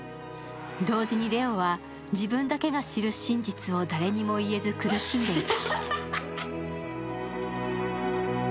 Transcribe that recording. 同時にレオは自分だけが知る真実を誰にも言えず苦しんでいた。